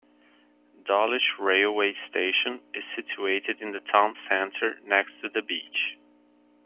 Dawlish railway station is situated in the town centre next to the beach.